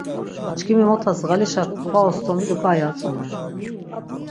Çkimi motas ğalişa kva ostomilu k̆ai atzonen.